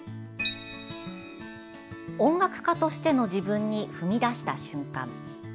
「音楽家としての自分に踏み出した瞬間」。